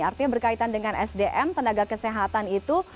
artinya berkaitan dengan sdm tenaga kesehatan itu